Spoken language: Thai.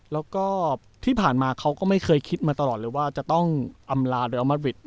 แล้วก็ที่ผ่านมาเขาก็ไม่เคยคิดมาตลอดเลยว่าจะต้องอำลาเรียลมัดริตนะฮะ